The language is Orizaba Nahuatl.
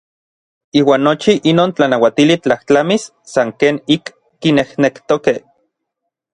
Iuan nochi inon tlanauatili tlajtlamis san ken ik kinejnektokej.